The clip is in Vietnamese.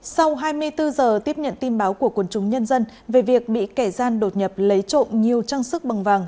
sau hai mươi bốn giờ tiếp nhận tin báo của quân chúng nhân dân về việc bị kẻ gian đột nhập lấy trộm nhiều trang sức bằng vàng